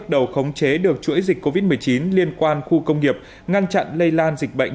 đầu khống chế được chuỗi dịch covid một mươi chín liên quan khu công nghiệp ngăn chặn lây lan dịch bệnh